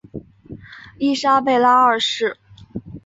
伊莎贝拉二世。